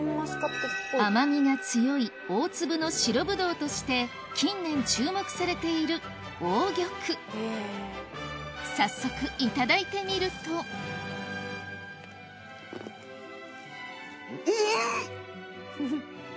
甘みが強い大粒の白ブドウとして近年注目されている早速いただいてみるとんっ！